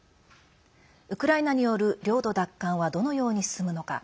ウクライナによる領土奪還はどのように進むのか。